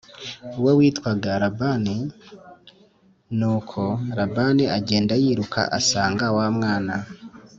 we witwaga Labani i Nuko Labani agenda yiruka asanga wa mwana